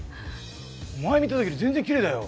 前見たときより全然きれいだよ！